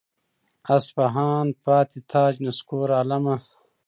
اصفهان پاتې تاج نسکور عالمه.